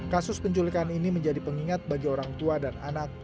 kasus penculikan ini menjadi pengingat bagi orang tua dan anak